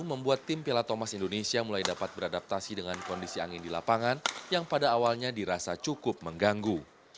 membuat tim piala thomas indonesia mulai dapat beradaptasi dengan kondisi angin di lapangan yang pada awalnya dirasa cukup mengganggu